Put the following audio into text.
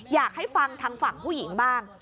อยากให้ฟังทางฝั่งผู้หญิงบ้าง